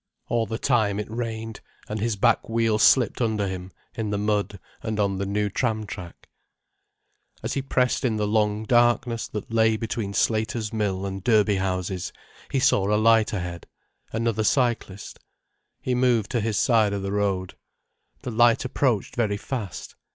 All the time it rained, and his back wheel slipped under him, in the mud and on the new tram track. As he pressed in the long darkness that lay between Slaters Mill and Durbeyhouses, he saw a light ahead—another cyclist. He moved to his side of the road. The light approached very fast.